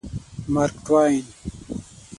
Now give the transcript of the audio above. مارک ټواین